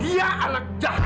dia anak jahat